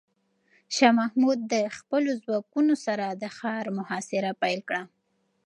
شاه محمود د خپلو ځواکونو سره د ښار محاصره پیل کړه.